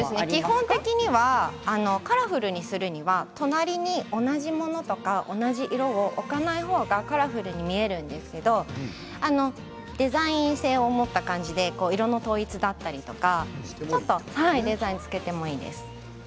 基本的にカラフルにするには隣に同じ色とかを置かない方がカラフルに見えるんですけどデザイン性を持った感じで色の統一とかちょっとデザインをつけてもいいです。